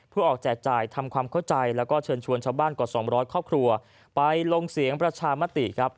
เพื่อออกแจกจ่ายทำความเข้าใจแล้วก็เชิญชวนชาวบ้านกว่า๒๐๐ครอบครัวไปลงเสียงประชามติครับ